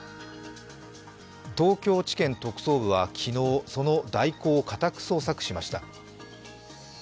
東京地検特捜部は昨日その大広を家宅捜索しました。